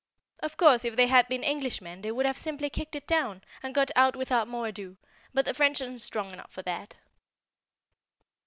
Of course if they had been Englishmen they would have simply kicked it down, and got out without more ado, but the French aren't strong enough for that.